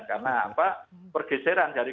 karena apa pergeseran dari